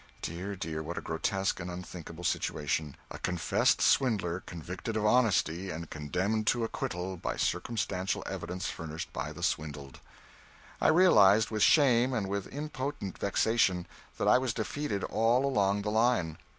Dear, dear, what a grotesque and unthinkable situation: a confessed swindler convicted of honesty and condemned to acquittal by circumstantial evidence furnished by the swindled! I realised, with shame and with impotent vexation, that I was defeated all along the line.